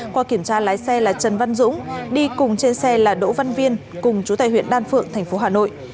qua kiểm tra lái xe là trần văn dũng đi cùng trên xe là đỗ văn viên cùng chú tài huyện đan phượng thành phố hà nội